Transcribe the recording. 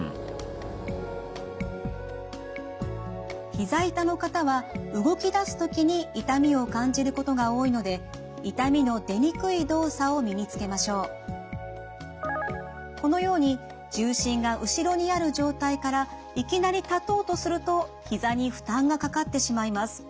ひざ痛の方は動きだす時に痛みを感じることが多いのでこのように重心が後ろにある状態からいきなり立とうとするとひざに負担がかかってしまいます。